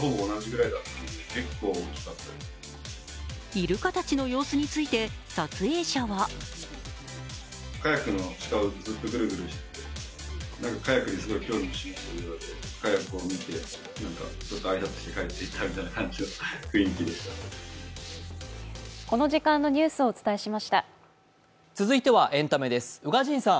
イルカたちの様子について撮影者は続いてはエンタメです。